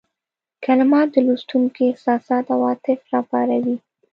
کلمات د لوستونکي احساسات او عواطف را وپاروي.